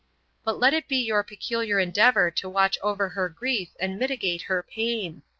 But let it be your peculiar endeavour to watch over her grief and mitigate her pain.